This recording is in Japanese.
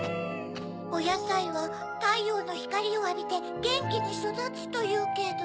おやさいはたいようのひかりをあびてゲンキにそだつというけど。